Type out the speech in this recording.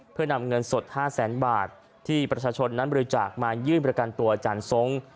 เพื่อนำเงินสด๕แสนบาทที่ประชาชนนั้นบริจาคมายื่นประกันตัวอาจารย์ทรง